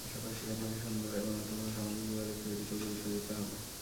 পাশাপাশি আপনাকে সুন্দর এবং অর্থবহ সামাজিক যোগাযোগ তৈরিতেও গুরুত্ব দিতে হবে।